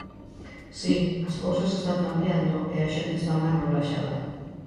Si, as cousas están cambiando e a xente está máis relaxada.